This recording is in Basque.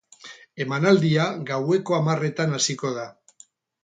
Emanaldia gaueko hamarretan hasiko da.